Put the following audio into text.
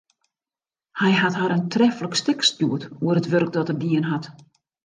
Hy hat har in treflik stik stjoerd oer it wurk dat er dien hat.